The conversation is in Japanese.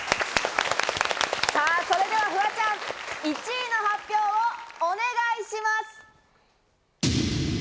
それではフワちゃん、１位の発表をお願いします。